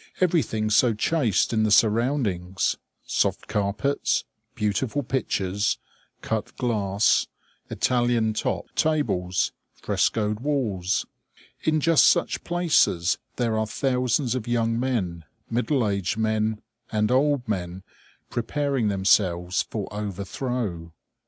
Everything so chaste in the surroundings! Soft carpets, beautiful pictures, cut glass, Italian top tables, frescoed walls. In just such places there are thousands of young men, middle aged men, and old men, preparing themselves for overthrow.